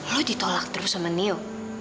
lo ditolak terus sama niu